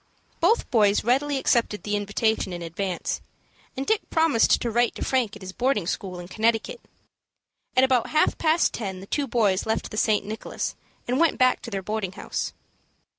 Both boys readily accepted the invitation in advance, and Dick promised to write to Frank at his boarding school in Connecticut. At about half past ten, the two boys left the St. Nicholas, and went back to their boarding house.